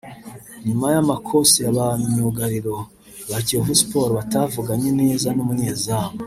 nyuma y’amakose ya ba myugariro ba Kiyovu Sport batavuganye neza n’umunyezamu